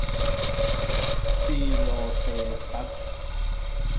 ซีร์โรสเตรตัส